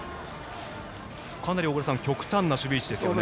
かなり極端な守備位置ですね。